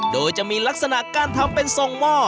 โดยจะมีลักษณะการทำเป็นทรงหม้อ